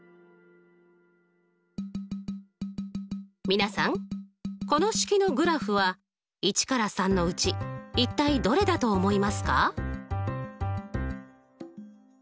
皆さんこの式のグラフは１から３のうち一体どれだと思いますか？